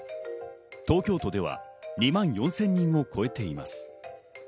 東京都では２万４０００人を超えています。